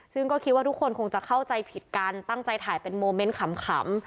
ซึ่งก็คิดว่าทุกคนคงจะเข้าใจผิดกันตั้งใจถ่ายเป็นโมเมนต์ขำ